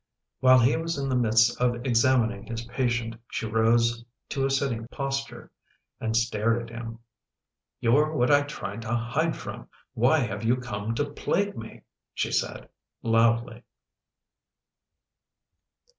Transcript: While he was in the midst of examin ing his patient she rose to a sitting posture and stared at him. " You're what I tried to hide from; why have you come to plague me? " she said, loudly.